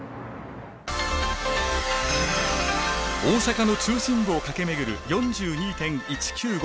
大阪の中心部を駆け巡る４２．１９５